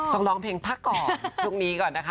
ต้องร้องเพลงพักก่อนช่วงนี้ก่อนนะคะ